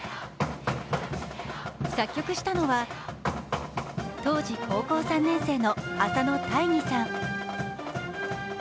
作曲したのは当時高校３年生の浅野大義さん。